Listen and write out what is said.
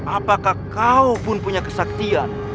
apakah kau punya kesaktian